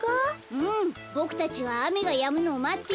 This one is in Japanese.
うんボクたちはあめがやむのをまってるよ。